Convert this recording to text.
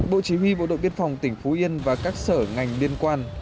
bộ chí huy bộ đội biên phòng tỉnh phú yên và các sở ngành liên quan